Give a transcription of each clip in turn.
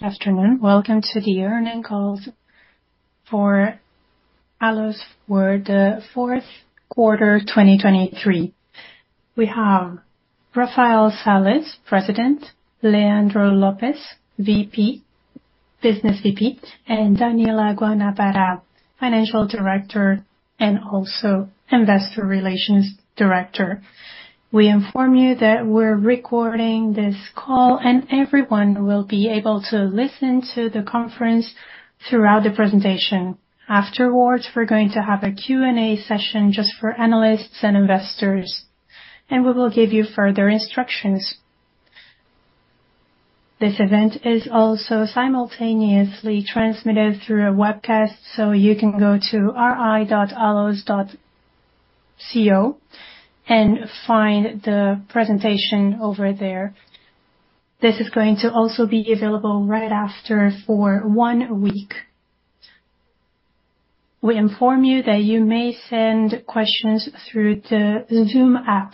Good afternoon. Welcome to the earnings call for ALLOS for the fourth quarter 2023. We have Rafael Sales, President, Leandro Lopes, VP, Business VP, and Daniella Guanabara, Financial Director, and also Investor Relations Director. We inform you that we're recording this call, and everyone will be able to listen to the conference throughout the presentation. Afterwards, we're going to have a Q&A session just for analysts and investors, and we will give you further instructions. This event is also simultaneously transmitted through a webcast, so you can go to ri.allos.co and find the presentation over there. This is going to also be available right after for one week. We inform you that you may send questions through the Zoom app.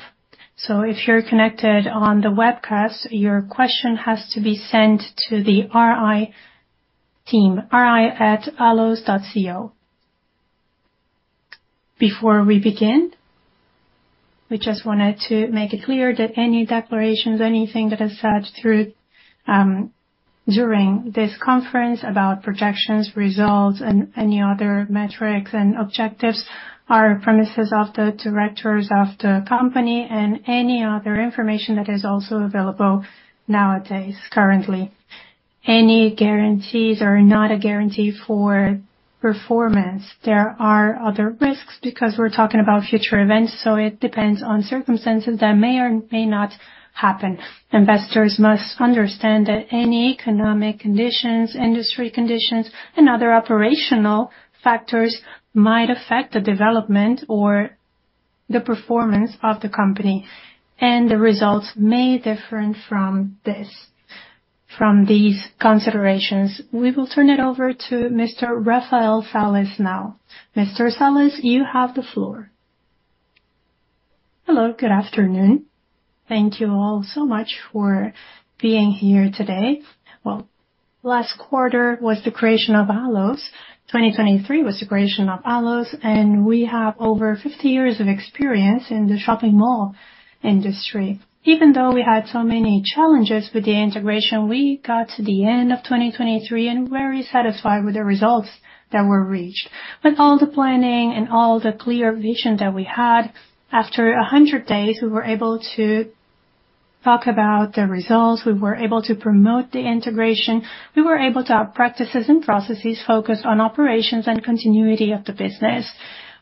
So if you're connected on the webcast, your question has to be sent to the RI team, ri@allos.co. Before we begin, we just wanted to make it clear that any declarations, anything that is said through, during this conference about projections, results, and any other metrics and objectives are premises of the directors of the company and any other information that is also available nowadays, currently. Any guarantees are not a guarantee for performance. There are other risks because we're talking about future events, so it depends on circumstances that may or may not happen. Investors must understand that any economic conditions, industry conditions, and other operational factors might affect the development or the performance of the company, and the results may differ from this, from these considerations. We will turn it over to Mr. Rafael Sales now. Mr. Sales, you have the floor. Hello, good afternoon. Thank you all so much for being here today. Well, last quarter was the creation of ALLOS. 2023 was the creation of ALLOS, and we have over 50 years of experience in the shopping mall industry. Even though we had so many challenges with the integration, we got to the end of 2023, and we're very satisfied with the results that were reached. With all the planning and all the clear vision that we had, after 100 days, we were able to talk about the results. We were able to promote the integration. We were able to have practices and processes focused on operations and continuity of the business.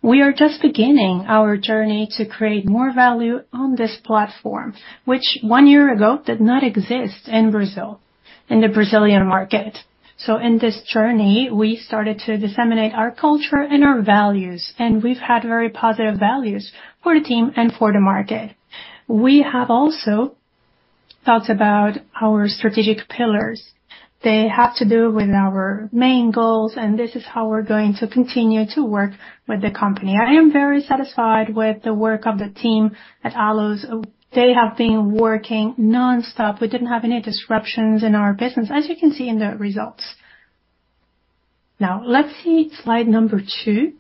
We are just beginning our journey to create more value on this platform, which one year ago did not exist in Brazil, in the Brazilian market. So in this journey, we started to disseminate our culture and our values, and we've had very positive values for the team and for the market. We have also thought about our strategic pillars. They have to do with our main goals, and this is how we're going to continue to work with the company. I am very satisfied with the work of the team at ALLOS. They have been working nonstop. We didn't have any disruptions in our business, as you can see in the results. Now, let's see slide number 2.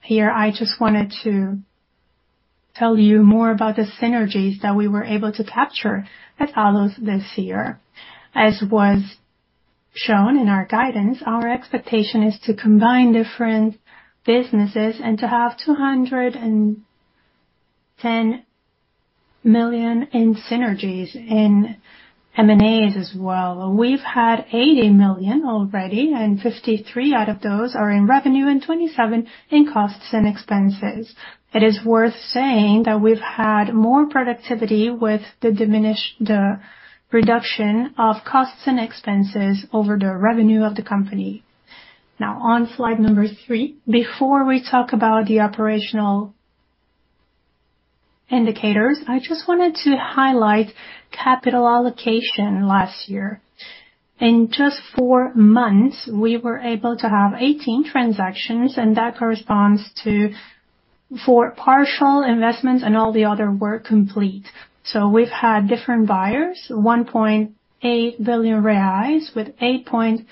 Here, I just wanted to tell you more about the synergies that we were able to capture at ALLOS this year. As was shown in our guidance, our expectation is to combine different businesses and to have 210 million in synergies in M&As as well. We've had 80 million already, and 53 out of those are in revenue and 27 in costs and expenses. It is worth saying that we've had more productivity with the reduction of costs and expenses over the revenue of the company. Now, on slide number 3, before we talk about the operational indicators, I just wanted to highlight capital allocation last year. In just 4 months, we were able to have 18 transactions, and that corresponds to 4 partial investments, and all the other were complete. So we've had different buyers, 1.8 billion reais, with 8.2%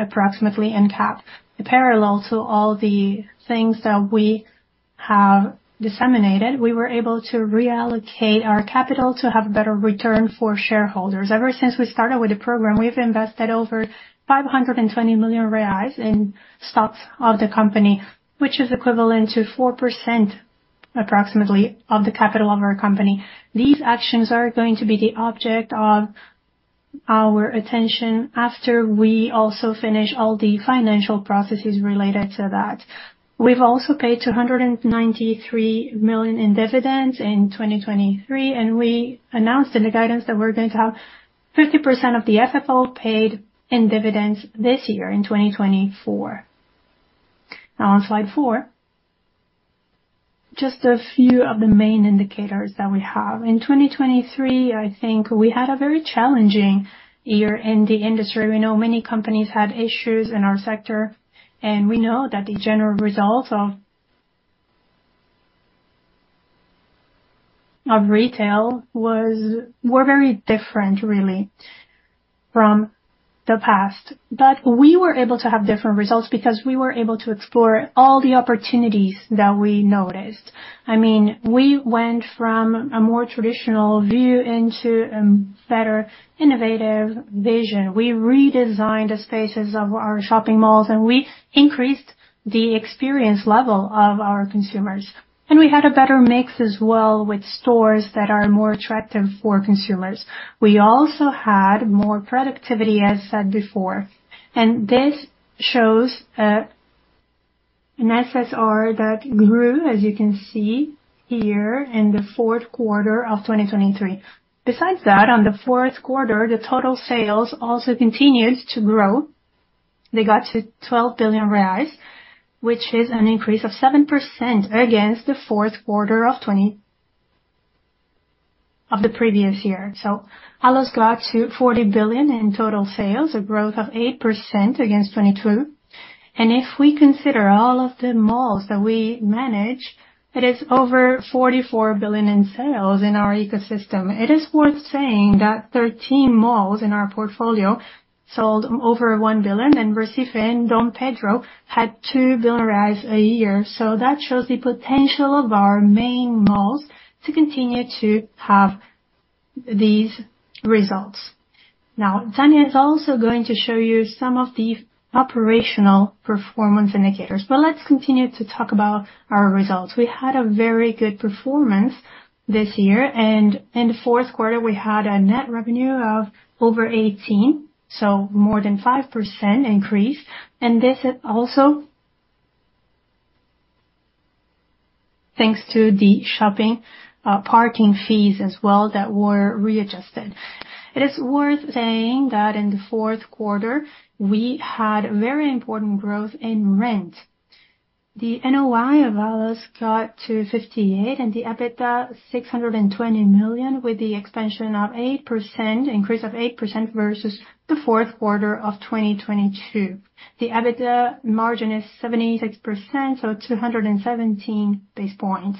approximately in Cap. Parallel to all the things that we have disseminated, we were able to reallocate our capital to have a better return for shareholders. Ever since we started with the program, we've invested over 520 million reais in stocks of the company, which is equivalent to 4%, approximately, of the capital of our company. These actions are going to be the object of our attention after we also finish all the financial processes related to that. We've also paid 293 million in dividends in 2023, and we announced in the guidance that we're going to have 50% of the FFO paid in dividends this year, in 2024. Now, on slide 4, just a few of the main indicators that we have. In 2023, I think we had a very challenging year in the industry. We know many companies had issues in our sector, and we know that the general results of retail were very different really from the past. But we were able to have different results because we were able to explore all the opportunities that we noticed. I mean, we went from a more traditional view into a better innovative vision. We redesigned the spaces of our shopping malls, and we increased the experience level of our consumers. We had a better mix as well with stores that are more attractive for consumers. We also had more productivity, as said before, and this shows an SSR that grew, as you can see here, in the fourth quarter of 2023. Besides that, on the fourth quarter, the total sales also continued to grow. They got to 12 billion reais, which is an increase of 7% against the fourth quarter of the previous year. So ALLOS got to 40 billion in total sales, a growth of 8% against 2022. And if we consider all of the malls that we manage, it is over 44 billion in sales in our ecosystem. It is worth saying that 13 malls in our portfolio sold over 1 billion, and Shopping Recife and Parque Dom Pedro had 2 billion a year. So that shows the potential of our main malls to continue to have these results. Now, Dani is also going to show you some of the operational performance indicators, but let's continue to talk about our results. We had a very good performance this year, and in the fourth quarter, we had a net revenue of over 18 billion, so more than 5% increase. And this is also thanks to the shopping parking fees as well, that were readjusted. It is worth saying that in the fourth quarter, we had very important growth in rent. The NOI of ALLOS got to 58 million, and the EBITDA, 620 million, with an 8% increase versus the fourth quarter of 2022. The EBITDA margin is 76%, so 217 basis points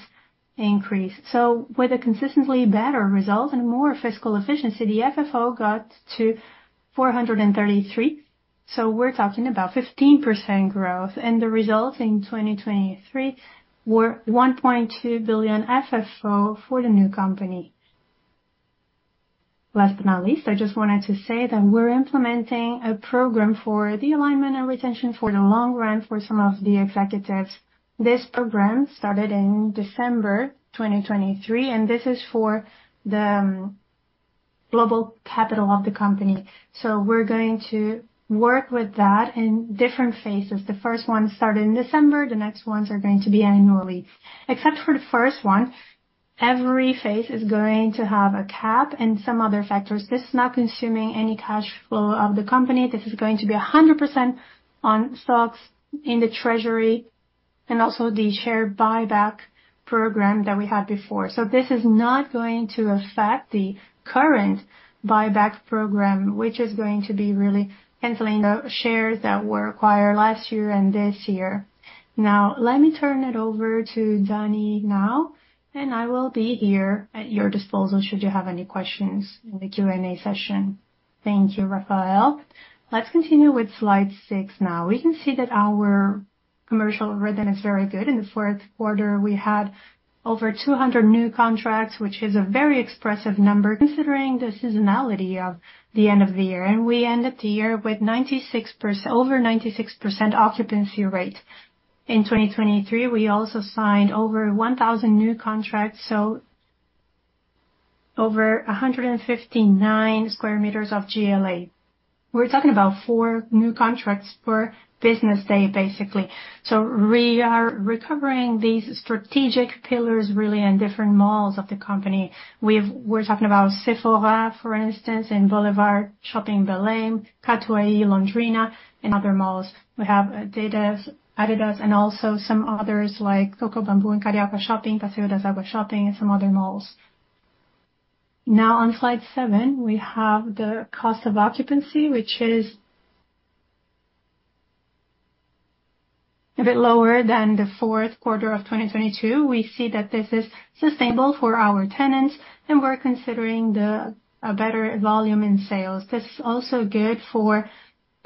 increase. So with a consistently better result and more fiscal efficiency, the FFO got to 433 million. So we're talking about 15% growth, and the results in 2023 were 1.2 billion FFO for the new company. Last but not least, I just wanted to say that we're implementing a program for the alignment and retention for the long run for some of the executives. This program started in December 2023, and this is for the global capital of the company. So we're going to work with that in different phases. The first one started in December. The next ones are going to be annually. Except for the first one, every phase is going to have a cap and some other factors. This is not consuming any cash flow of the company. This is going to be 100% on stocks in the treasury and also the share buyback program that we had before. So this is not going to affect the current buyback program, which is going to be really canceling the shares that were acquired last year and this year. Now, let me turn it over to Dani now, and I will be here at your disposal should you have any questions in the Q&A session. Thank you, Rafael. Let's continue with slide 6 now. We can see that our commercial rhythm is very good. In the fourth quarter, we had over 200 new contracts, which is a very expressive number, considering the seasonality of the end of the year. We end up the year with 96%, over 96% occupancy rate. In 2023, we also signed over 1,000 new contracts, so over 159 sq m of GLA. We're talking about four new contracts per business day, basically. So we are recovering these strategic pillars, really, in different malls of the company. We've—we're talking about Sephora, for instance, in Boulevard Shopping Belém, Catuaí Shopping Londrina, and other malls. We have Adidas, Adidas, and also some others, like Coco Bambu, and Carioca Shopping, Passeio das Águas Shopping, and some other malls. Now on slide 7, we have the cost of occupancy, which is a bit lower than the fourth quarter of 2022. We see that this is sustainable for our tenants, and we're considering the, a better volume in sales. This is also good for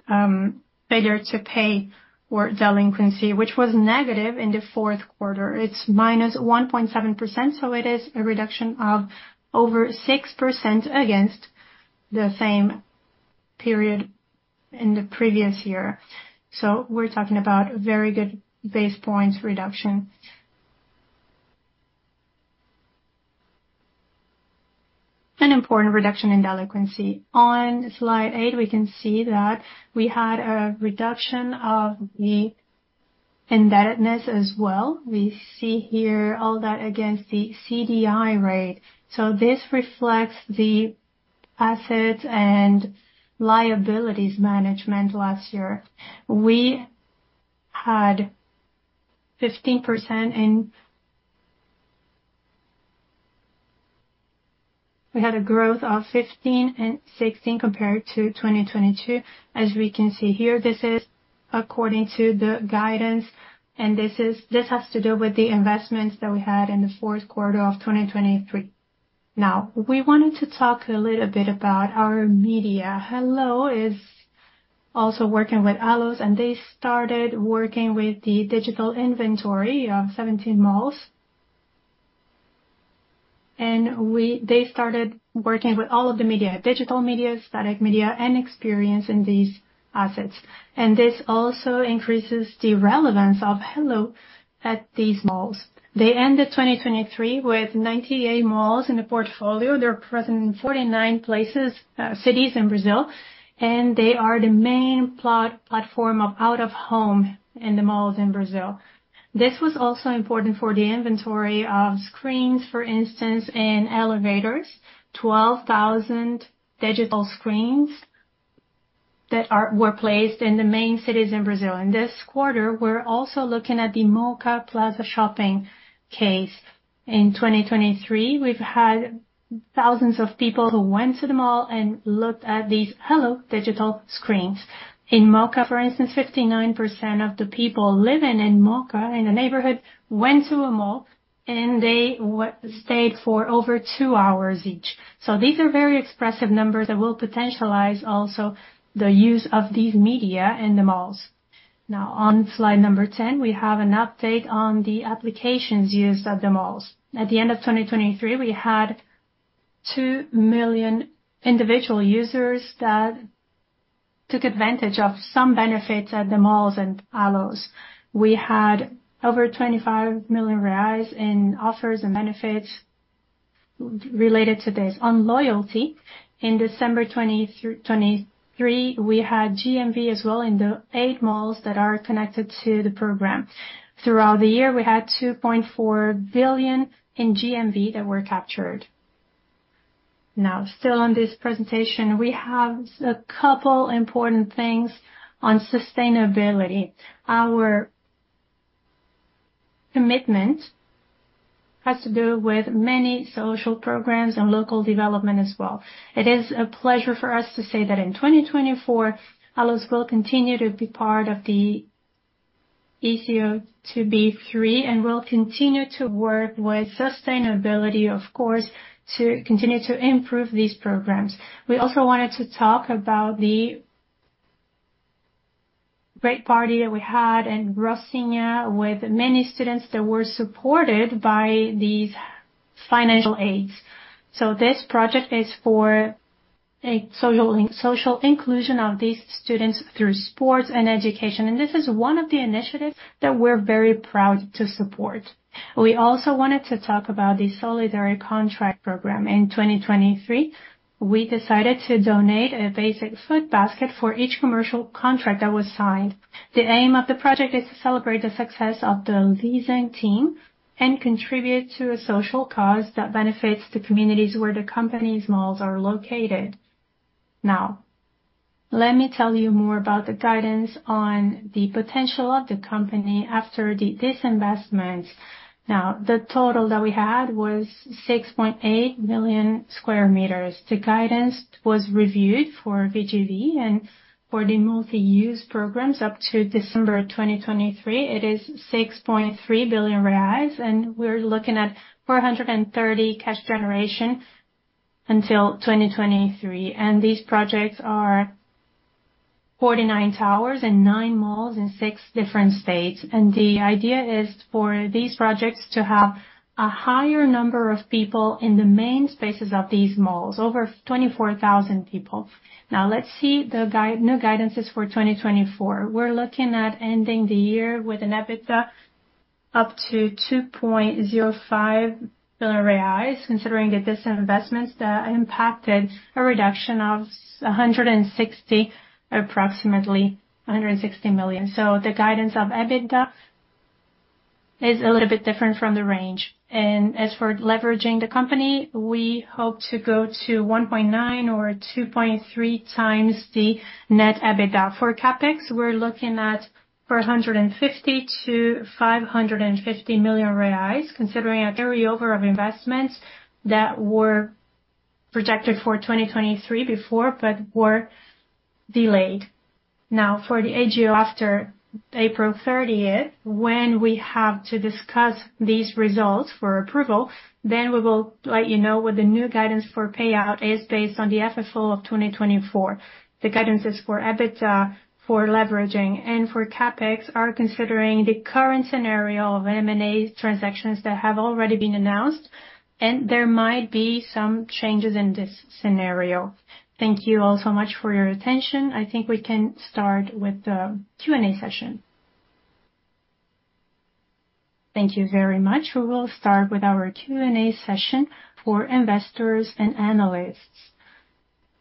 failure to pay or delinquency, which was negative in the fourth quarter. It's -1.7%, so it is a reduction of over 6% against the same period in the previous year. So we're talking about very good basis points reduction. An important reduction in delinquency. On Slide 8, we can see that we had a reduction of the indebtedness as well. We see here all that against the CDI rate. So this reflects the assets and liabilities management last year. We had a growth of 15 and 16 compared to 2022. As we can see here, this is according to the guidance, and this has to do with the investments that we had in the fourth quarter of 2023. Now, we wanted to talk a little bit about our media. Helloo is also working with ALLOS, and they started working with the digital inventory of 17 malls. They started working with all of the media, digital media, static media, and experience in these assets. And this also increases the relevance of helloo at these malls. They ended 2023 with 98 malls in the portfolio. They're present in 49 places, cities in Brazil, and they are the main platform of out-of-home in the malls in Brazil. This was also important for the inventory of screens, for instance, in elevators. 12,000 digital screens that were placed in the main cities in Brazil. In this quarter, we're also looking at the Mooca Plaza Shopping case. In 2023, we've had thousands of people who went to the mall and looked at these helloo digital screens. In Mooca, for instance, 59% of the people living in Mooca, in the neighborhood, went to a mall, and they stayed for over two hours each. So these are very expressive numbers that will potentialize also the use of these media in the malls. Now, on slide number 10, we have an update on the applications used at the malls. At the end of 2023, we had 2 million individual users that took advantage of some benefits at the malls and ALLOS. We had over 25 million reais in offers and benefits related to this. On loyalty, in December 2023, we had GMV as well in the 8 malls that are connected to the program. Throughout the year, we had 2.4 billion in GMV that were captured. Now, still on this presentation, we have a couple important things on sustainability. Our commitment has to do with many social programs and local development as well. It is a pleasure for us to say that in 2024, ALLOS will continue to be part of the ICO2 B3, and we'll continue to work with sustainability, of course, to continue to improve these programs. We also wanted to talk about the great party that we had in Rocinha with many students that were supported by these financial aids. So this project is for a social inclusion of these students through sports and education, and this is one of the initiatives that we're very proud to support. We also wanted to talk about the Solidarity Contract program. In 2023, we decided to donate a basic food basket for each commercial contract that was signed. The aim of the project is to celebrate the success of the leasing team and contribute to a social cause that benefits the communities where the company's malls are located. Now, let me tell you more about the guidance on the potential of the company after the disinvestments. Now, the total that we had was 6.8 million square meters. The guidance was reviewed for VGV and for the multi-use programs up to December of 2023. It is 6.3 billion reais, and we're looking at 430 cash generation until 2023. These projects are 49 towers and 9 malls in six different states. The idea is for these projects to have a higher number of people in the main spaces of these malls, over 24,000 people. Now, let's see the guidance, new guidances for 2024. We're looking at ending the year with an EBITDA up to 2.05 billion reais, considering the disinvestments that impacted a reduction of 160, approximately 160 million. So the guidance of EBITDA is a little bit different from the range. As for leverage of the company, we hope to go to 1.9 or 2.3 times the net EBITDA. For CapEx, we're looking at 450 million-550 million reais, considering a carryover of investments that were projected for 2023 before, but were delayed. Now, for the AGO, after April 30, when we have to discuss these results for approval, then we will let you know what the new guidance for payout is based on the FFO of 2024. The guidances for EBITDA, for leveraging, and for CapEx are considering the current scenario of M&A transactions that have already been announced, and there might be some changes in this scenario. Thank you all so much for your attention. I think we can start with the Q&A session. Thank you very much. We will start with our Q&A session for investors and analysts.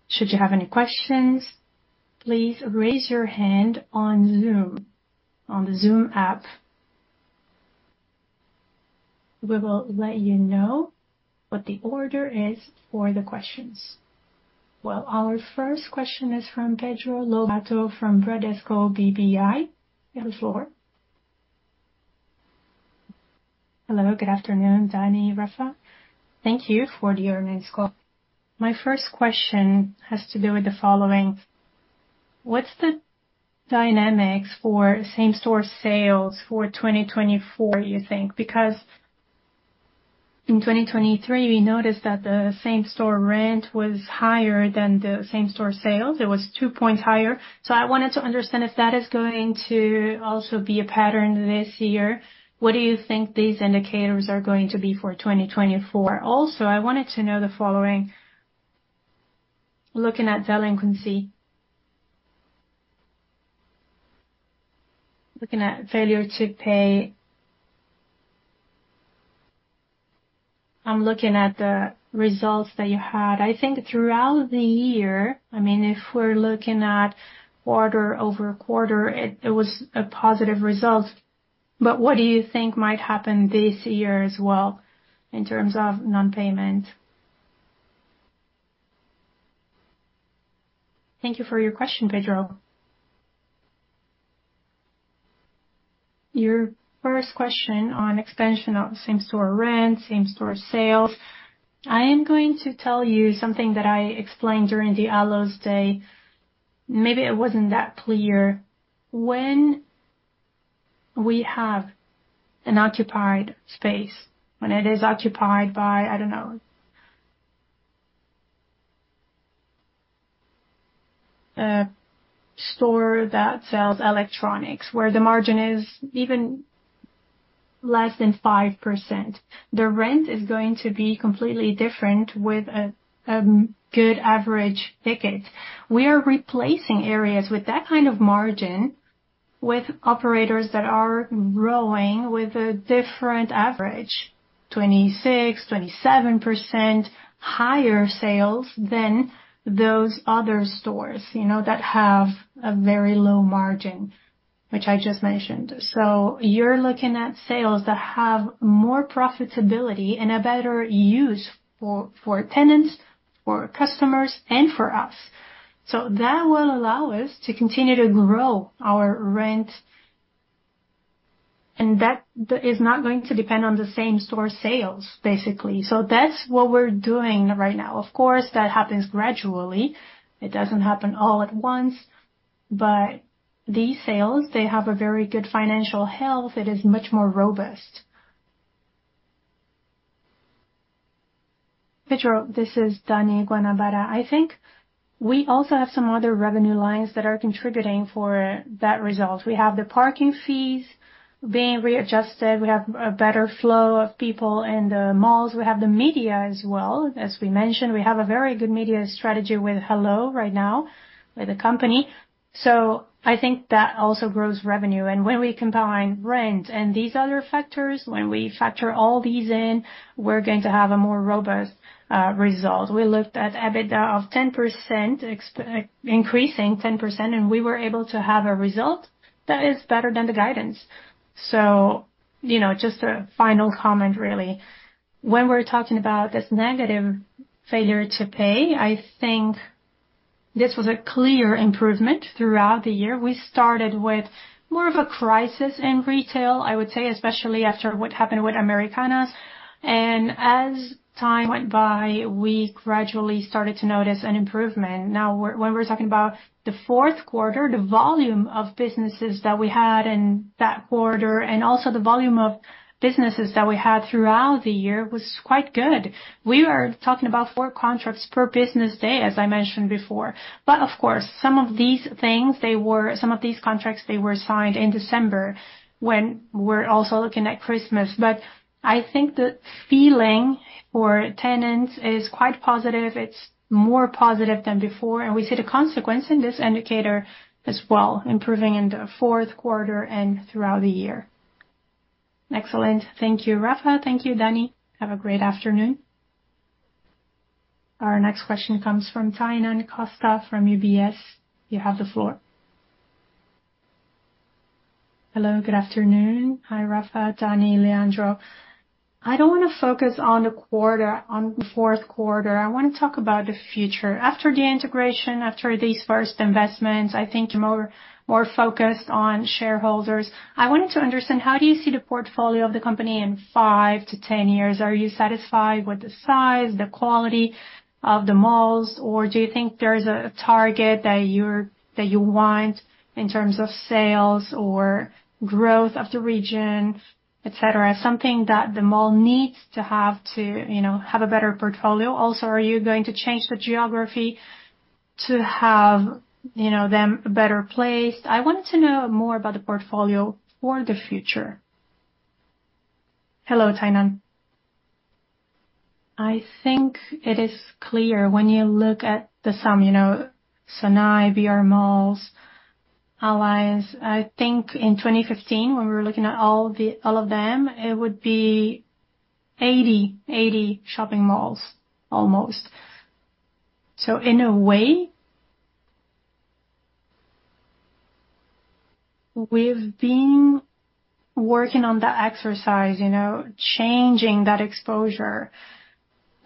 Should you have any questions, please raise your hand on Zoom, on the Zoom app. We will let you know what the order is for the questions. Well, our first question is from Pedro Lobato from Bradesco BBI. You have the floor. Hello, good afternoon, Dani, Rafa. Thank you for the earnings call. My first question has to do with the following: What's the dynamics for same-store sales for 2024, you think? Because in 2023, we noticed that the same-store rent was higher than the same-store sales. It was 2 points higher. So I wanted to understand if that is going to also be a pattern this year. What do you think these indicators are going to be for 2024? Also, I wanted to know the following: looking at delinquency, looking at failure to pay. I'm looking at the results that you had. I think throughout the year, I mean, if we're looking at quarter-over-quarter, it was a positive result. But what do you think might happen this year as well in terms of non-payment? Thank you for your question, Pedro. Your first question on expansion of same-store rent, same-store sales, I am going to tell you something that I explained during the ALLOS Day. Maybe it wasn't that clear. When we have an occupied space, when it is occupied by, I don't know, a store that sells electronics, where the margin is even less than 5%, the rent is going to be completely different with a good average ticket. We are replacing areas with that kind of margin with operators that are growing with a different average, 26%-27% higher sales than those other stores, you know, that have a very low margin, which I just mentioned. So you're looking at sales that have more profitability and a better use for, for tenants, for customers, and for us. So that will allow us to continue to grow our rent, and that is not going to depend on the same-store sales, basically. So that's what we're doing right now. Of course, that happens gradually. It doesn't happen all at once, but these sales, they have a very good financial health. It is much more robust. Pedro, this is Dani Guanabara. I think we also have some other revenue lines that are contributing for that result. We have the parking fees being readjusted. We have a better flow of people in the malls. We have the media as well. As we mentioned, we have a very good media strategy with helloo right now, with the company. So I think that also grows revenue. And when we combine rent and these other factors, when we factor all these in, we're going to have a more robust result. We looked at EBITDA of 10%, increasing 10%, and we were able to have a result that is better than the guidance. So, you know, just a final comment, really. When we're talking about this negative failure to pay, I think this was a clear improvement throughout the year. We started with more of a crisis in retail, I would say, especially after what happened with Americanas. And as time went by, we gradually started to notice an improvement. Now, when we're talking about the fourth quarter, the volume of businesses that we had in that quarter, and also the volume of businesses that we had throughout the year was quite good. We are talking about four contracts per business day, as I mentioned before. But of course, some of these contracts were signed in December, when we're also looking at Christmas. But I think the feeling for tenants is quite positive. It's more positive than before, and we see the consequence in this indicator as well, improving in the fourth quarter and throughout the year. Excellent. Thank you, Rafa. Thank you, Dani. Have a great afternoon. Our next question comes from Tainan Costa from UBS. You have the floor. Hello, good afternoon. Hi, Rafa, Dani, Leandro. I don't want to focus on the quarter, on the fourth quarter. I want to talk about the future. After the integration, after these first investments, I think you're more focused on shareholders. I wanted to understand, how do you see the portfolio of the company in five to 10 years? Are you satisfied with the size, the quality of the malls, or do you think there's a target that you're that you want in terms of sales or growth of the regions, et cetera, something that the mall needs to have to, you know, have a better portfolio? Also, are you going to change the geography to have, you know, them better placed? I wanted to know more about the portfolio for the future. Hello, Tainan. I think it is clear when you look at the sum, you know, Sonae, brMalls, Aliansce. I think in 2015, when we were looking at all of them, it would be 80, 80 shopping malls almost. So in a way, we've been working on that exercise, you know, changing that exposure.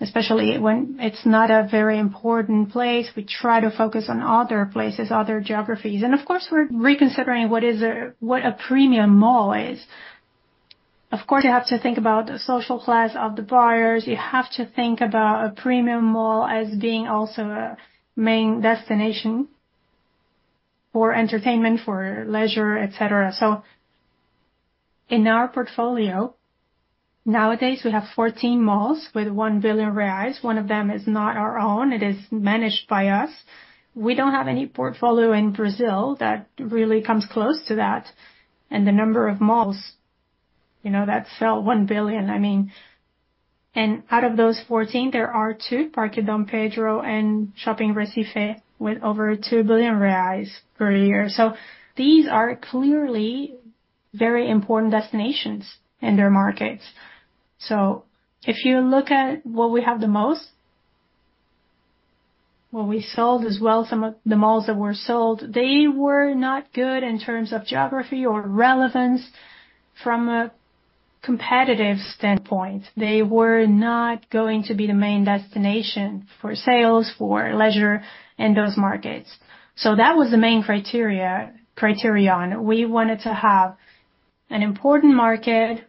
especially when it's not a very important place, we try to focus on other places, other geographies. And of course, we're reconsidering what is a, what a premium mall is. Of course, you have to think about the social class of the buyers. You have to think about a premium mall as being also a main destination for entertainment, for leisure, et cetera. So in our portfolio, nowadays, we have 14 malls with 1 billion reais. One of them is not our own, it is managed by us. We don't have any portfolio in Brazil that really comes close to that, and the number of malls, you know, that sell 1 billion, I mean. And out of those 14, there are two, Parque Dom Pedro and Shopping Recife, with over 2 billion reais per year. So these are clearly very important destinations in their markets. So if you look at what we have the most, what we sold as well, some of the malls that were sold, they were not good in terms of geography or relevance from a competitive standpoint. They were not going to be the main destination for sales, for leisure in those markets. So that was the main criteria, criterion. We wanted to have an important market.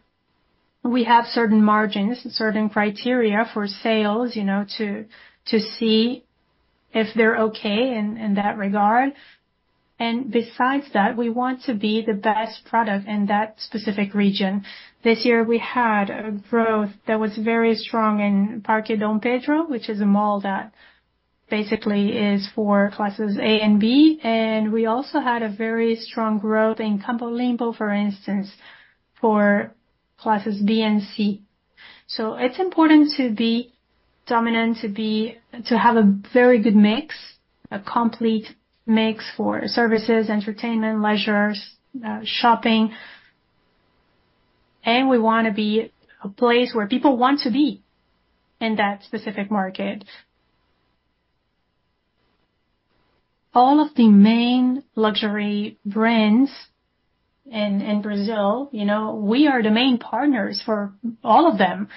We have certain margins, certain criteria for sales, you know, to, to see if they're okay in, in that regard. And besides that, we want to be the best product in that specific region. This year, we had a growth that was very strong in Parque Dom Pedro, which is a mall that basically is for classes A and B, and we also had a very strong growth in Campo Limpo, for instance, for classes B and C. So it's important to be dominant, to have a very good mix, a complete mix for services, entertainment, leisure, shopping. And we wanna be a place where people want to be in that specific market. All of the main luxury brands in, in Brazil, you know, we are the main partners for all of them.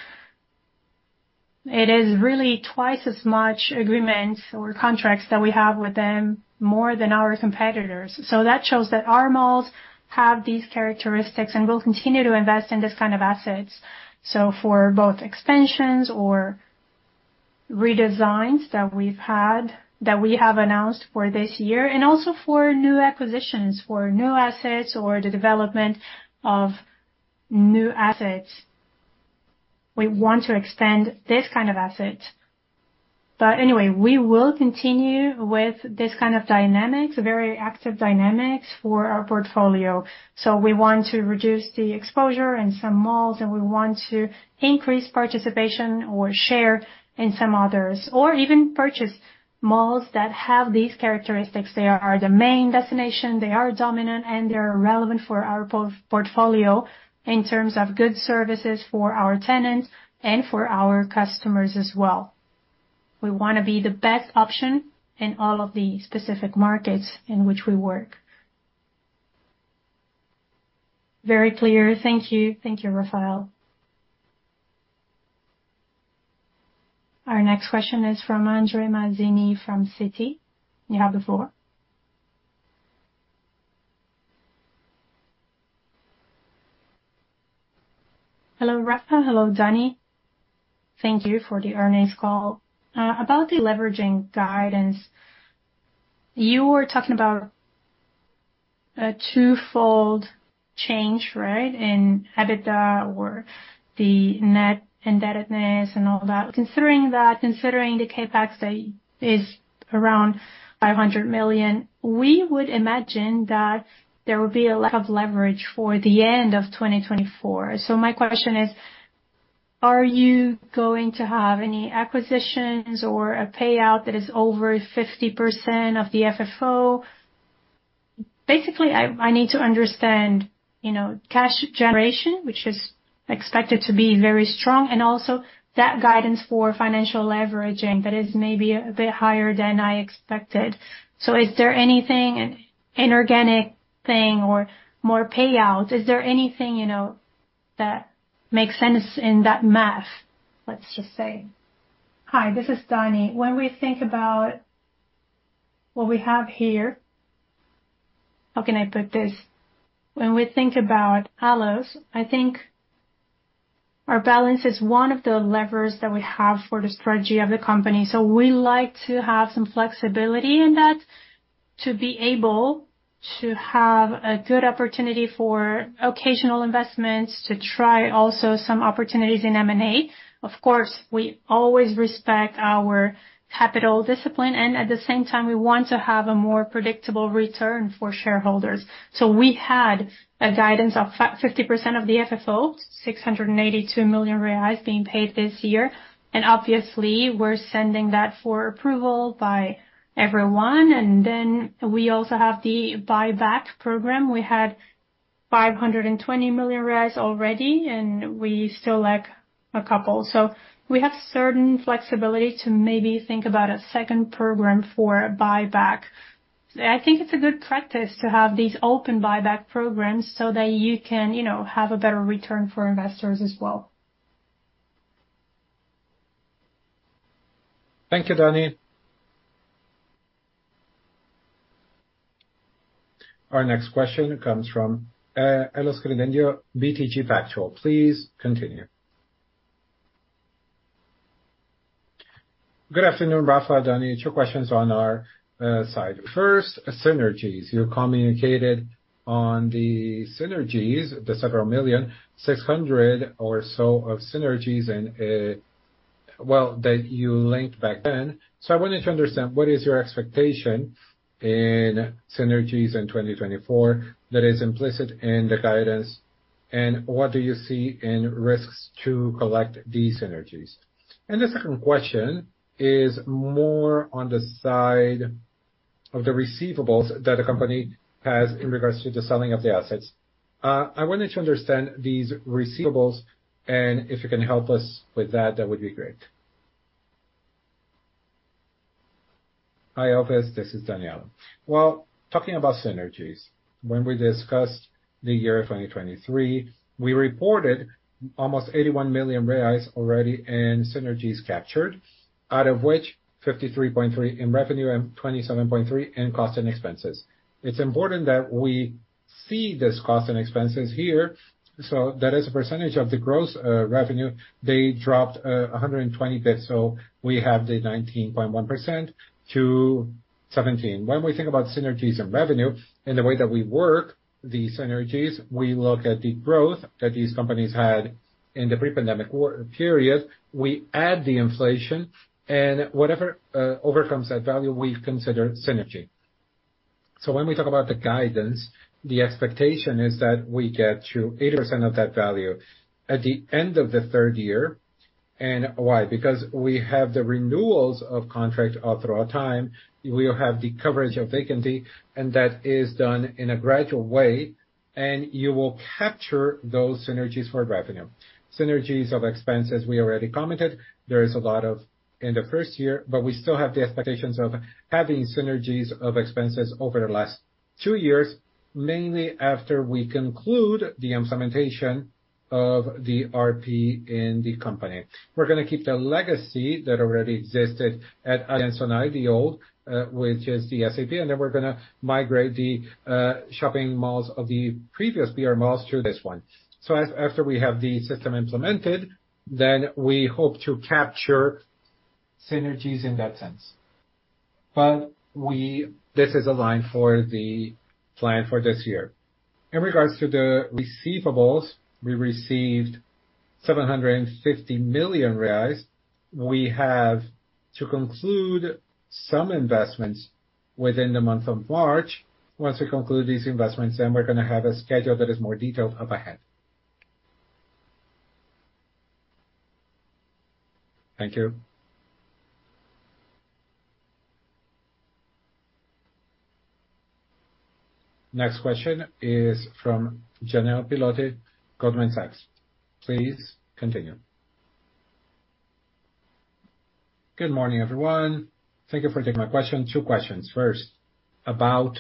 It is really twice as much agreements or contracts that we have with them, more than our competitors. So that shows that our malls have these characteristics, and we'll continue to invest in this kind of assets. So for both expansions or redesigns that we've had, that we have announced for this year, and also for new acquisitions, for new assets or the development of new assets, we want to expand this kind of asset. But anyway, we will continue with this kind of dynamics, very active dynamics for our portfolio. So we want to reduce the exposure in some malls, and we want to increase participation or share in some others, or even purchase malls that have these characteristics. They are the main destination, they are dominant, and they are relevant for our portfolio in terms of good services for our tenants and for our customers as well. We wanna be the best option in all of the specific markets in which we work. Very clear. Thank you. Thank you, Rafael. Our next question is from Andre Mazini from Citi. You have the floor. Hello, Rafa. Hello, Dani. Thank you for the earnings call. About the leveraging guidance, you were talking about a twofold change, right? In EBITDA or the net indebtedness and all that. Considering that, considering the CapEx that is around 500 million, we would imagine that there would be a lack of leverage for the end of 2024. So my question is: Are you going to have any acquisitions or a payout that is over 50% of the FFO? Basically, I, I need to understand, you know, cash generation, which is expected to be very strong, and also that guidance for financial leveraging, that is maybe a bit higher than I expected. So is there anything, an inorganic thing or more payouts? Is there anything, you know, that makes sense in that math, let's just say? Hi, this is Dani. When we think about what we have here. How can I put this? When we think about ALLOS, I think our balance is one of the levers that we have for the strategy of the company. So we like to have some flexibility in that, to be able to have a good opportunity for occasional investments, to try also some opportunities in M&A. Of course, we always respect our capital discipline, and at the same time, we want to have a more predictable return for shareholders. So we had a guidance of 50% of the FFO, 682 million reais being paid this year. And obviously, we're sending that for approval by everyone. And then we also have the buyback program. We had 520 million reais already, and we still lack a couple. So we have certain flexibility to maybe think about a second program for buyback. I think it's a good practice to have these open buyback programs so that you can, you know, have a better return for investors as well. Thank you, Dani. Our next question comes from Elvis Credendio, BTG Pactual. Please continue. Good afternoon, Rafa, Dani. 2 questions on our side. First, synergies. You communicated on the synergies, the 600 million or so of synergies, and, well, that you linked back then. So I wanted to understand, what is your expectation in synergies in 2024 that is implicit in the guidance, and what do you see in risks to collect these synergies? And the second question is more on the side of the receivables that a company has in regards to the selling of the assets. I wanted to understand these receivables, and if you can help us with that, that would be great. Hi, Elvis, this is Daniella. Well, talking about synergies, when we discussed the year 2023, we reported almost 81 million reais already in synergies captured, out of which 53.3 million in revenue and 27.3 million in cost and expenses. It's important that we see this cost and expenses here, so that as a percentage of the gross revenue, they dropped 120 basis points, so we have the 19.1% to 17%. When we think about synergies and revenue and the way that we work these synergies, we look at the growth that these companies had in the pre-pandemic era, period. We add the inflation and whatever overcomes that value, we consider synergy. So when we talk about the guidance, the expectation is that we get to 80% of that value at the end of the third year. And why? Because we have the renewals of contract all throughout time. We will have the coverage of vacancy, and that is done in a gradual way, and you will capture those synergies for revenue. Synergies of expenses, we already commented. There is a lot of in the first year, but we still have the expectations of having synergies of expenses over the last two years, mainly after we conclude the implementation of the ERP in the company. We're gonna keep the legacy that already existed at Aliansce, the old, which is the SAP, and then we're gonna migrate the shopping malls of the previous brMalls to this one. So after we have the system implemented, then we hope to capture synergies in that sense. But this is aligned for the plan for this year. In regards to the receivables, we received 750 million reais. We have to conclude some investments within the month of March. Once we conclude these investments, then we're gonna have a schedule that is more detailed up ahead. Thank you. Next question is from Jorel Guilloty, Goldman Sachs. Please continue. Good morning, everyone. Thank you for taking my question. Two questions. First, about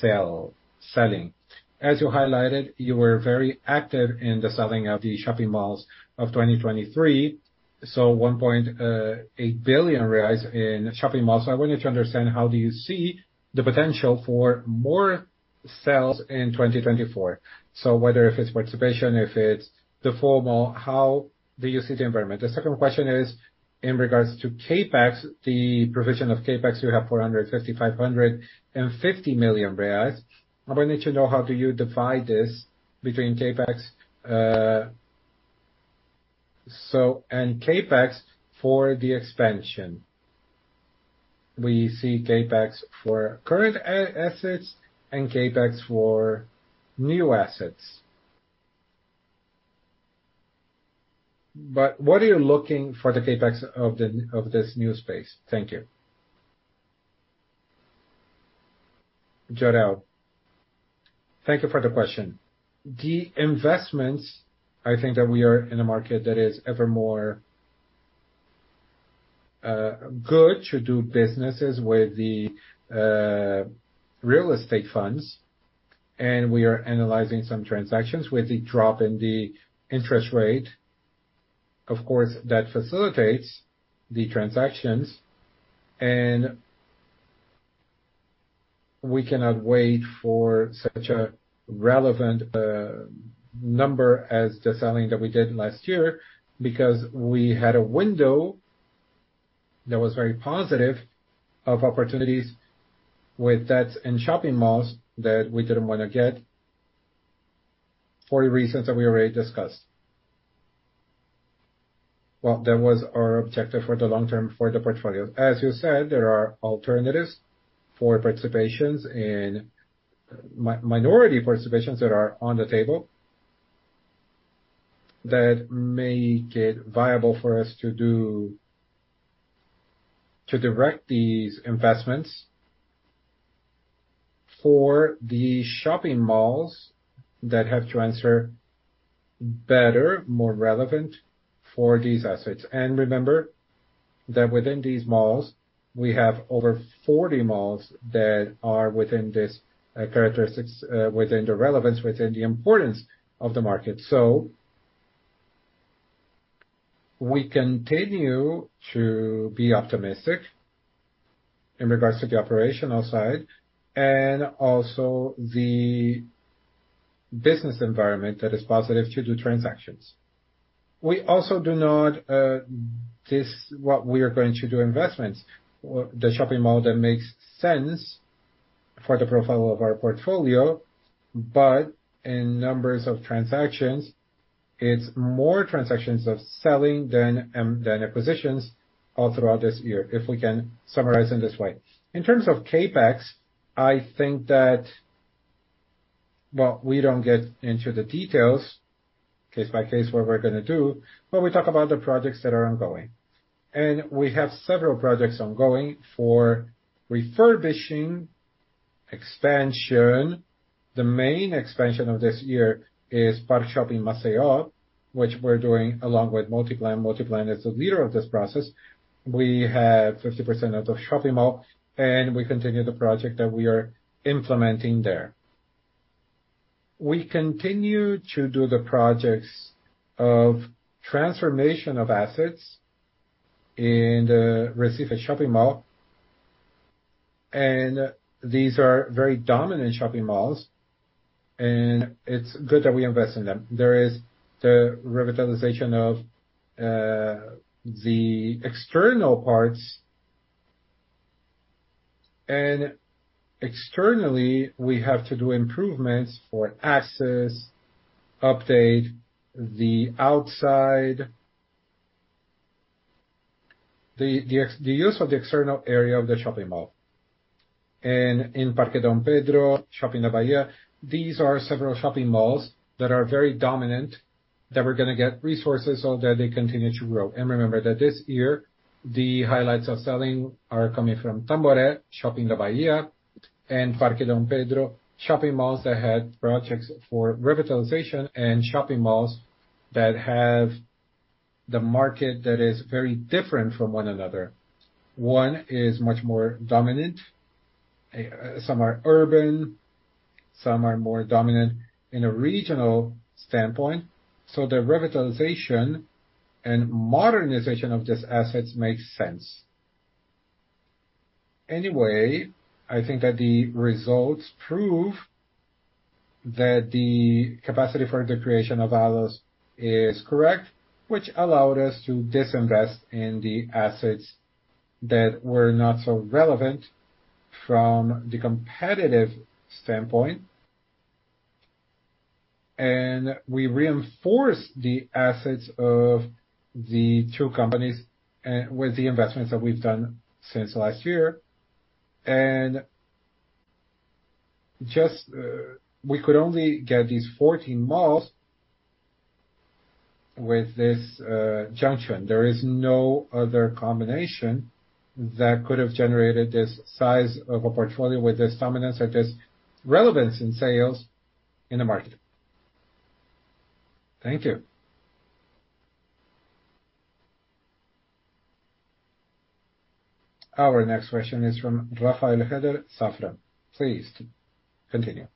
sell, selling. As you highlighted, you were very active in the selling of the shopping malls of 2023, so 1.8 billion reais in shopping malls. I wanted to understand, how do you see the potential for more sales in 2024? So whether if it's participation, if it's the formal, how do you see the environment? The second question is, in regards to CapEx, the provision of CapEx, you have 450 million-550 million reais. I wanted to know, how do you divide this between CapEx, so, and CapEx for the expansion. We see CapEx for current assets and CapEx for new assets. But what are you looking for the CapEx of this new space? Thank you. Jorel, thank you for the question. The investments, I think that we are in a market that is ever more good to do businesses with the real estate funds, and we are analyzing some transactions. With the drop in the interest rate, of course, that facilitates the transactions, and we cannot wait for such a relevant number as the selling that we did last year, because we had a window that was very positive of opportunities with that in shopping malls that we didn't want to get for the reasons that we already discussed. Well, that was our objective for the long term, for the portfolio. As you said, there are alternatives for participations in minority participations that are on the table, that make it viable for us to do to direct these investments. For the shopping malls that have to answer better, more relevant for these assets. And remember that within these malls, we have over 40 malls that are within this characteristics, within the relevance, within the importance of the market. So we continue to be optimistic in regards to the operational side and also the business environment that is positive to do transactions. We also do not, this what we are going to do, investments. Or the shopping mall that makes sense for the profile of our portfolio, but in numbers of transactions, it's more transactions of selling than than acquisitions all throughout this year. If we can summarize in this way. In terms of CapEx, I think that. Well, we don't get into the details, case by case, what we're gonna do, but we talk about the projects that are ongoing. And we have several projects ongoing for refurbishing, expansion. The main expansion of this year is Parque Shopping Maceió, which we're doing along with Multiplan. Multiplan is the leader of this process. We have 50% of the shopping mall, and we continue the project that we are implementing there. We continue to do the projects of transformation of assets in the Shopping Recife, and these are very dominant shopping malls, and it's good that we invest in them. There is the revitalization of the external parts. And externally, we have to do improvements for access, update the outside. The use of the external area of the shopping mall. And in Parque Dom Pedro, Shopping da Bahia, these are several shopping malls that are very dominant, that we're gonna get resources so that they continue to grow. And remember that this year, the highlights of selling are coming from Tamboré, Shopping da Bahia and Parque Dom Pedro. Shopping malls that had projects for revitalization, and shopping malls that have the market that is very different from one another. One is much more dominant, some are urban, some are more dominant in a regional standpoint, so the revitalization and modernization of these assets makes sense. Anyway, I think that the results prove that the capacity for the creation of values is correct, which allowed us to disinvest in the assets that were not so relevant from the competitive standpoint. We reinforce the assets of the two companies with the investments that we've done since last year. And just, we could only get these 14 malls with this junction. There is no other combination that could have generated this size of a portfolio with this dominance or this relevance in sales in the market. Thank you. Our next question is from Rafael Rehder, Safra. Please continue.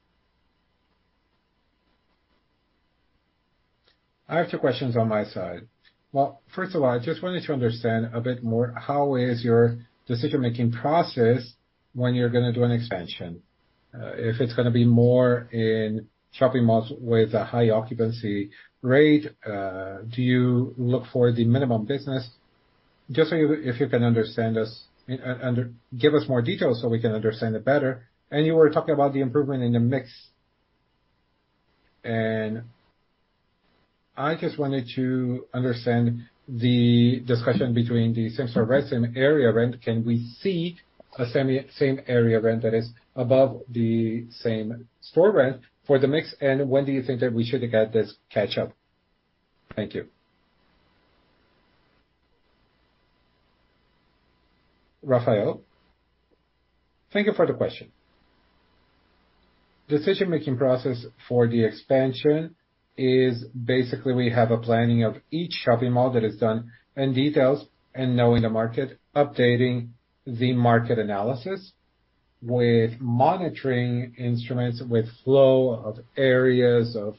I have two questions on my side. Well, first of all, I just wanted to understand a bit more, how is your decision-making process when you're gonna do an expansion? If it's gonna be more in shopping malls with a high occupancy rate, do you look for the minimum business? Just so you—if you can understand us and give us more details so we can understand it better. You were talking about the improvement in the mix. I just wanted to understand the discussion between the same store rents and area rent. Can we see a semi-same area rent that is above the same store rent for the mix? When do you think that we should get this catch up? Thank you. Rafael, thank you for the question. Decision-making process for the expansion is basically, we have a planning of each shopping mall that is done and details, and knowing the market, updating the market analysis with monitoring instruments, with flow of areas of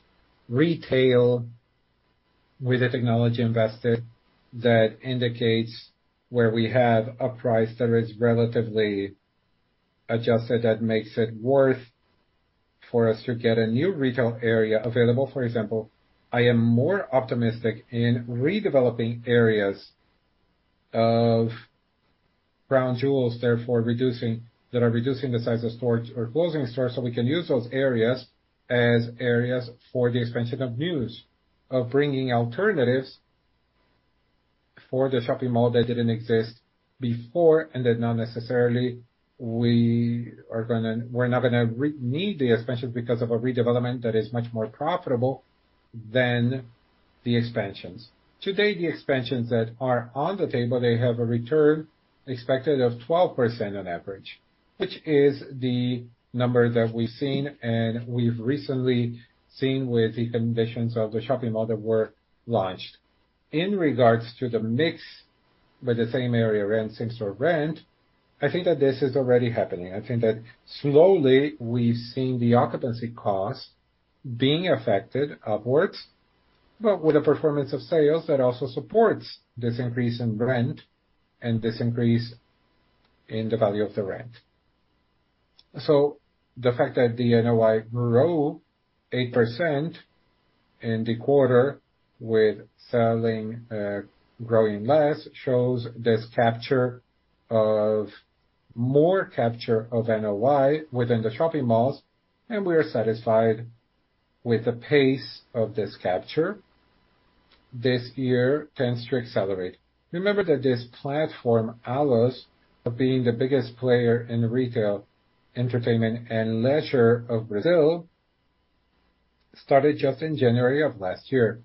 retail, with the technology invested, that indicates where we have a price that is relatively adjusted, that makes it worth for us to get a new retail area available. For example, I am more optimistic in redeveloping areas of Crown Jewels that are reducing the size of stores or closing stores, so we can use those areas as areas for the expansion of news. Of bringing alternatives for the shopping mall that didn't exist before, and that not necessarily we are gonna- we're not gonna need the expansion because of a redevelopment that is much more profitable than the expansions. Today, the expansions that are on the table, they have a return expected of 12% on average, which is the number that we've seen and we've recently seen with the conditions of the shopping mall that were launched. In regards to the mix with the same-store rent, I think that this is already happening. I think that slowly we've seen the occupancy costs being affected upwards, but with a performance of sales that also supports this increase in rent and this increase in the value of the rent. So the fact that the NOI grew 8% in the quarter with selling growing less shows this capture of more capture of NOI within the shopping malls, and we are satisfied with the pace of this capture. This year tends to accelerate. Remember that this platform, ALLOS, of being the biggest player in retail, entertainment, and leisure of Brazil, started just in January of last year.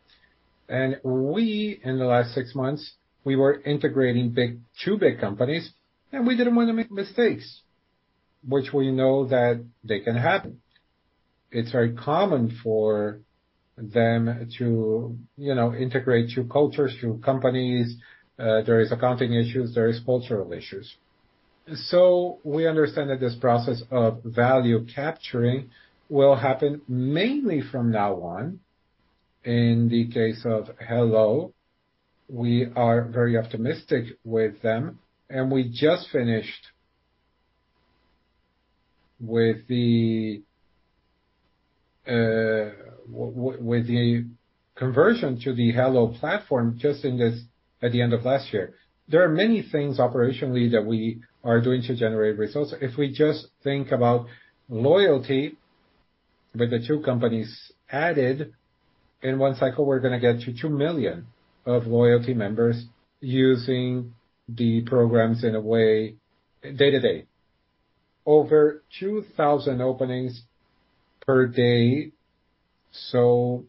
And we, in the last six months, we were integrating two big companies, and we didn't want to make mistakes, which we know that they can happen. It's very common for them to, you know, integrate two cultures, two companies, there is accounting issues, there is cultural issues. So we understand that this process of value capturing will happen mainly from now on. In the case of helloo, we are very optimistic with them, and we just finished with the conversion to the helloo platform, just in this, at the end of last year. There are many things operationally that we are doing to generate results. If we just think about loyalty, with the two companies added, in one cycle, we're gonna get to 2 million of loyalty members using the programs in a way, day-to-day. Over 2,000 openings per day. So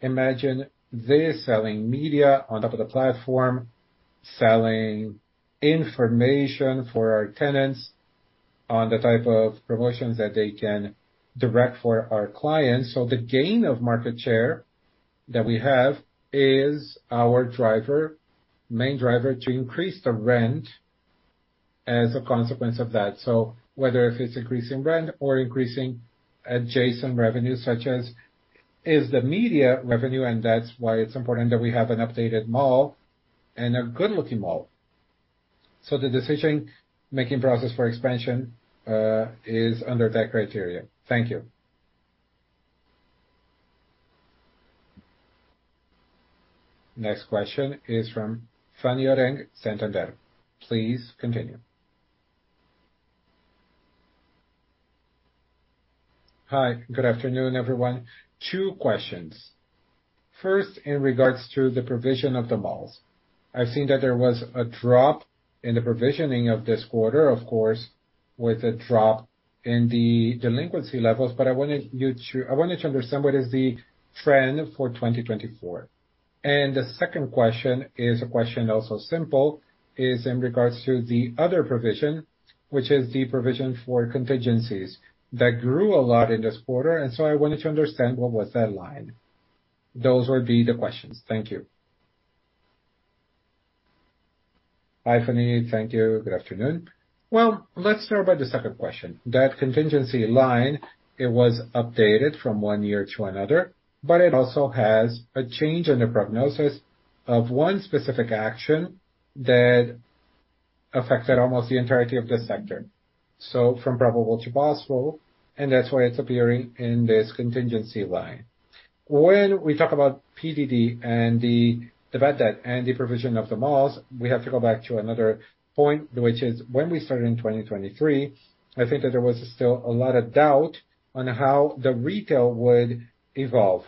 imagine this, selling media on top of the platform, selling information for our tenants on the type of promotions that they can direct for our clients. So the gain of market share that we have is our driver, main driver, to increase the rent as a consequence of that. So whether if it's increasing rent or increasing adjacent revenues, such as is the media revenue, and that's why it's important that we have an updated mall and a good-looking mall. So the decision-making process for expansion is under that criteria. Thank you. Next question is from Fanny Oreng, Santander. Please continue. Hi, good afternoon, everyone. Two questions. First, in regards to the provision of the malls. I've seen that there was a drop in the provisioning of this quarter, of course, with a drop in the delinquency levels, but I wanted you to, I wanted to understand what is the trend for 2024. The second question is a question also simple, is in regards to the other provision, which is the provision for contingencies, that grew a lot in this quarter, and so I wanted to understand what was that line. Those would be the questions. Thank you. Hi, Fanny. Thank you. Good afternoon. Well, let's start with the second question. That contingency line, it was updated from one year to another, but it also has a change in the prognosis of one specific action that affected almost the entirety of this sector. So from probable to possible, and that's why it's appearing in this contingency line. When we talk about PDD and the bad debt and the provision of the malls, we have to go back to another point, which is when we started in 2023. I think that there was still a lot of doubt on how the retail would evolve.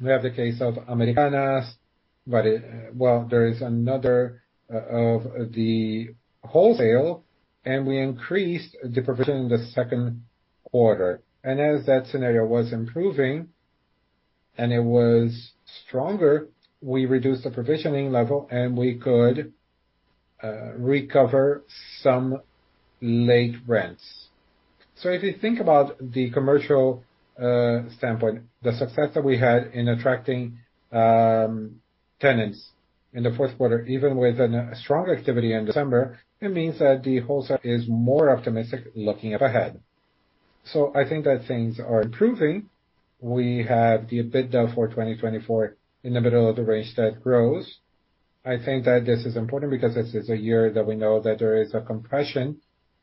We have the case of Americanas, but well, there is another of the wholesale, and we increased the provision in the second quarter. And as that scenario was improving and it was stronger, we reduced the provisioning level, and we could recover some late rents. So if you think about the commercial standpoint, the success that we had in attracting tenants in the fourth quarter, even with a strong activity in December, it means that the wholesale is more optimistic looking up ahead. So I think that things are improving. We have the EBITDA for 2024 in the middle of the range that grows. I think that this is important because this is a year that we know that there is a compression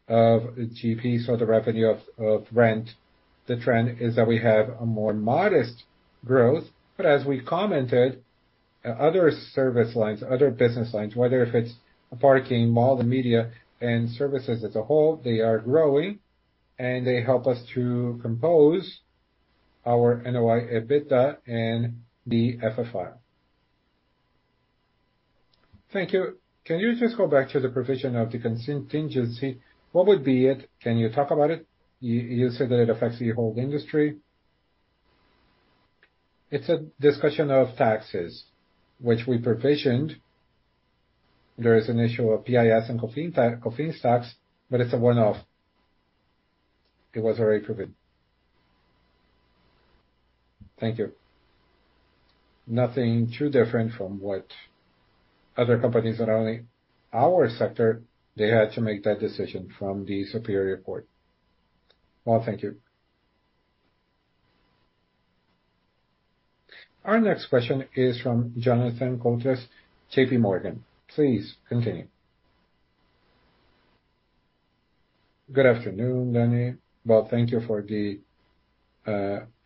of GP, so the revenue of rent. The trend is that we have a more modest growth. But as we commented, other service lines, other business lines, whether if it's parking, mall, the media and services as a whole, they are growing, and they help us to compose our NOI, EBITDA and the FFO. Thank you. Can you just go back to the provision of the contingency? What would be it? Can you talk about it? You said that it affects the whole industry. It's a discussion of taxes, which we provisioned. There is an issue of PIS and COFINS tax, but it's a one-off. It was already proven. Thank you. Nothing too different from what other companies, not only our sector, they had to make that decision from the Superior Court. Well, thank you. Our next question is from Jonathan Koutras, JP Morgan. Please continue. Good afternoon, Danny. Well, thank you for the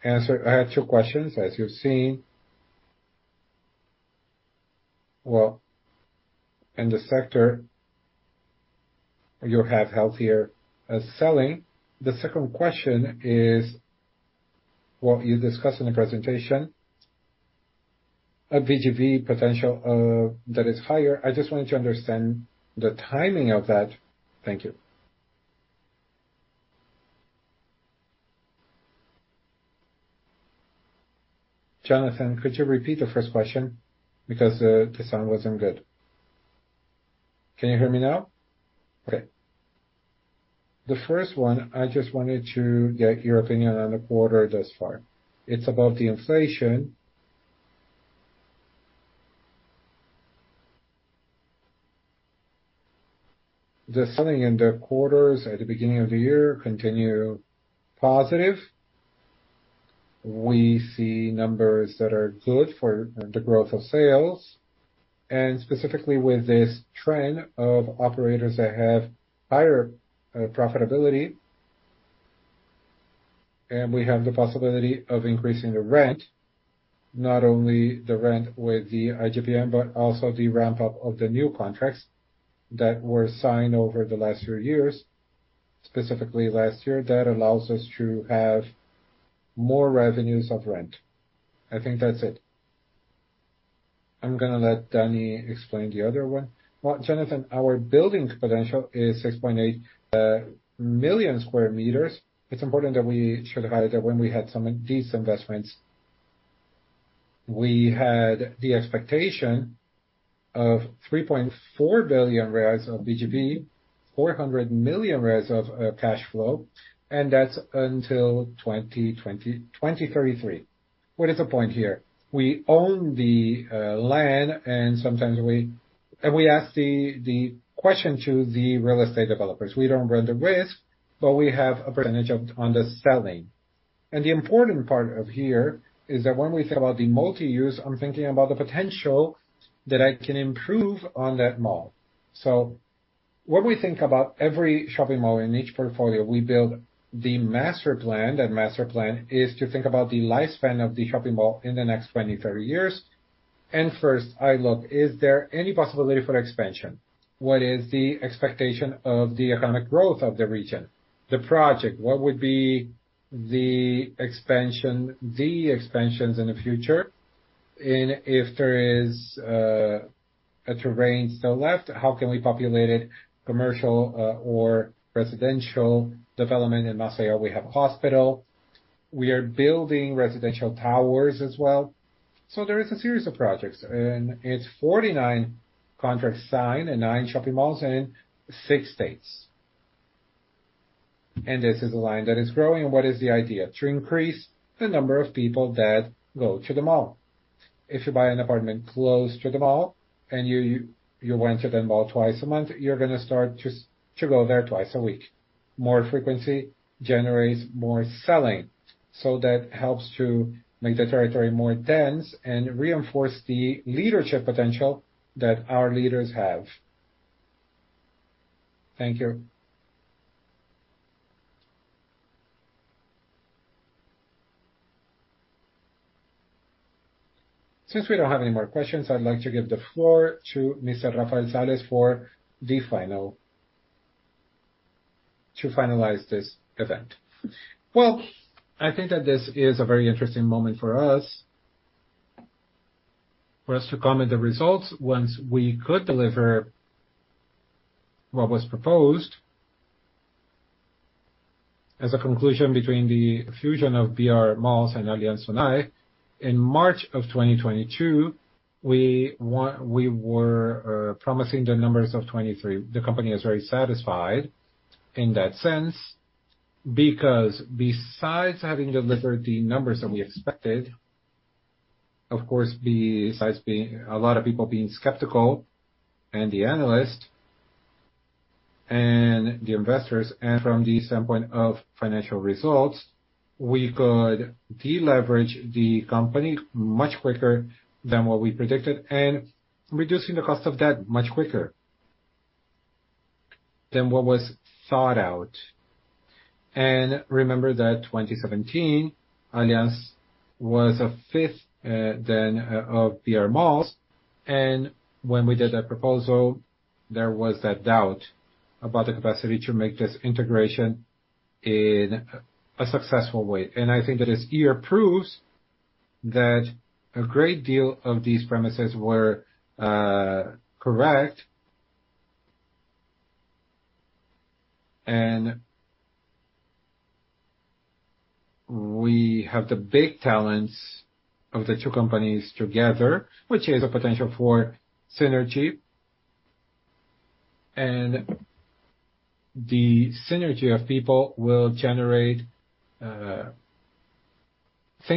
answer. I had two questions, as you've seen. Well, in the sector, you have healthier selling. The second question is, what you discussed in the presentation, a VGV potential that is higher. I just wanted to understand the timing of that. Thank you. Jonathan, could you repeat the first question? Because the sound wasn't good. Can you hear me now? Okay. The first one, I just wanted to get your opinion on the quarter thus far. It's about the inflation. The selling in the quarters at the beginning of the year continue positive. We see numbers that are good for the growth of sales, and specifically with this trend of operators that have higher profitability. We have the possibility of increasing the rent, not only the rent with the IGP-M, but also the ramp-up of the new contracts that were signed over the last three years, specifically last year. That allows us to have more revenues of rent. I think that's it. I'm gonna let Danny explain the other one. Well, Jonathan, our building potential is 6.8 million square meters. It's important that we should highlight that when we had some of these investments, we had the expectation of 3.4 billion of VGV, 400 million of cash flow, and that's until 2033. What is the point here? We own the land, and sometimes and we ask the question to the real estate developers. We don't run the risk, but we have a percentage of on the selling. The important part of here is that when we think about the multi-use, I'm thinking about the potential that I can improve on that mall. So when we think about every shopping mall in each portfolio, we build the master plan. That master plan is to think about the lifespan of the shopping mall in the next 20, 30 years. And first, I look, is there any possibility for expansion? What is the expectation of the economic growth of the region, the project? What would be the expansion, the expansions in the future? And if there is, a terrain still left, how can we populate it, commercial, or residential development? In Maceió, we have a hospital. We are building residential towers as well. So there is a series of projects, and it's 49 contracts signed and 9 shopping malls in 6 states. This is a line that is growing. What is the idea? To increase the number of people that go to the mall. If you buy an apartment close to the mall and you went to the mall twice a month, you're gonna start to go there twice a week. More frequency generates more selling, so that helps to make the territory more dense and reinforce the leadership potential that our leaders have. Thank you. Since we don't have any more questions, I'd like to give the floor to Mr. Rafael Sales for the final to finalize this event. Well, I think that this is a very interesting moment for us to comment the results once we could deliver what was proposed. As a conclusion between the fusion of brMalls and Aliansce Sonae, in March of 2022, we were promising the numbers of 2023. The company is very satisfied in that sense, because besides having delivered the numbers that we expected, of course, besides a lot of people being skeptical, and the analysts and the investors, and from the standpoint of financial results, we could deleverage the company much quicker than what we predicted, and reducing the cost of debt much quicker than what was thought out. And remember that 2017, Aliansce was a fifth then of brMalls, and when we did that proposal, there was that doubt about the capacity to make this integration in a successful way. And I think that this year proves that a great deal of these premises were correct, and we have the big talents of the two companies together, which is a potential for synergy. The synergy of people will generate things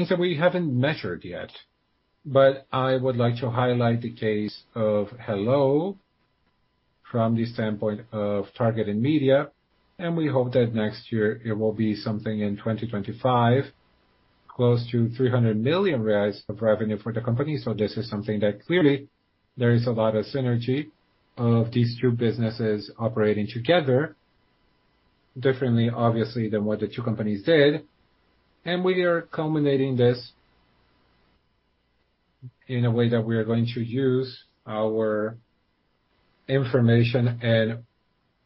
that we haven't measured yet. But I would like to highlight the case of helloo from the standpoint of targeted media, and we hope that next year it will be something in 2025, close to 300 million reais of revenue for the company. This is something that clearly there is a lot of synergy of these two businesses operating together, differently, obviously, than what the two companies did. We are culminating this in a way that we are going to use our information and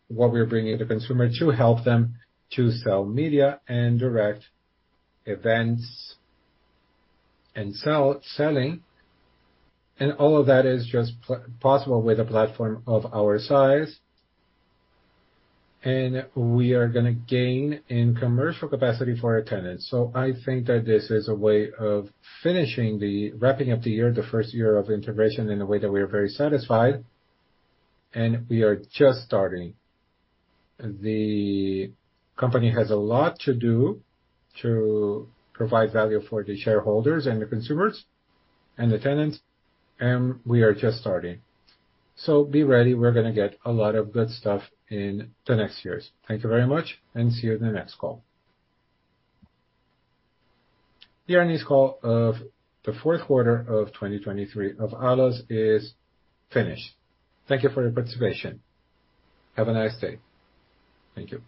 what we're bringing to consumer to help them to sell media and direct events and selling. All of that is just possible with a platform of our size, and we are gonna gain in commercial capacity for our tenants. I think that this is a way of finishing the wrapping up the year, the first year of integration, in a way that we are very satisfied, and we are just starting. The company has a lot to do to provide value for the shareholders and the consumers and the tenants, and we are just starting. Be ready, we're gonna get a lot of good stuff in the next years. Thank you very much, and see you in the next call. The earnings call of the fourth quarter of 2023 of ALLOS is finished. Thank you for your participation. Have a nice day. Thank you.